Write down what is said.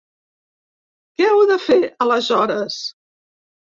Què heu de fer, aleshores?